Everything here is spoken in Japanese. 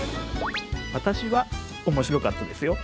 私は面白かったですよ。